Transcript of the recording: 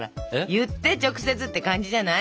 言って直接って感じじゃない？